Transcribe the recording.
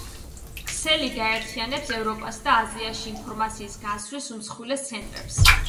ქსელი გააერთიანებს ევროპასა და აზიაში ინფორმაციის გაცვლის უმსხვილეს ცენტრებს.